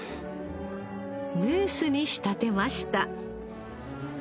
ムースに仕立てました。